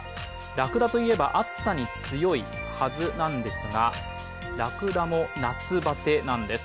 ラクダといえば、暑さに強いはずなんですが、ラクダも夏バテなんです。